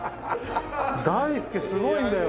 大輔すごいんだよ